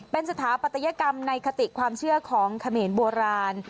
เป็นสถาปัตยกรรมในคติความเชื่อของเขมรโบราณ